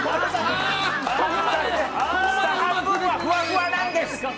半分はふわふわなんです！